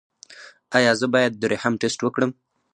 ایا زه باید د رحم ټسټ وکړم؟